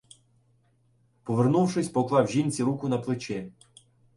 Повернувшись, поклав жінці руку на плече: